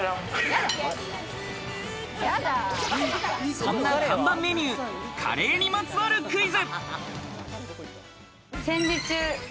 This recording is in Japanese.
そんな看板メニュー、カレーにまつわるクイズ。